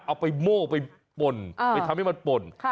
เอาไปโม่ไปป่นไปทำให้มันป่น